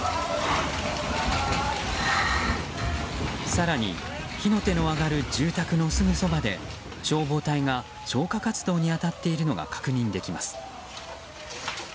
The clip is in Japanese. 更に火の手の上がる住宅のすぐそばで消防隊が消火活動に当たっているのが確認できます。